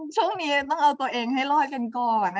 ช่วงนี้ต้องเอาตัวเองให้รอดกันก่อน